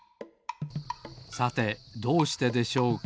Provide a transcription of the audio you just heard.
さてどうしてでしょうか？